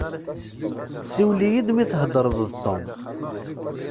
Siwel-iyi-d mi thedreḍ d Tom.